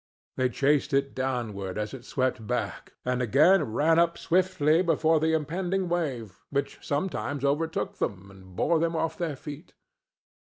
They chased it downward as it swept back, and again ran up swiftly before the impending wave, which sometimes overtook them and bore them off their feet.